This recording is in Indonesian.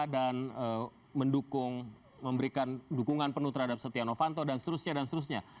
dan memberikan dukungan penuh terhadap setia novanto dan seterusnya